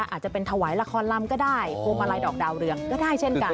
อาจจะเป็นถวายละครลำก็ได้พวงมาลัยดอกดาวเรืองก็ได้เช่นกัน